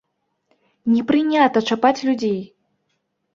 Не прынята чапаць людзей!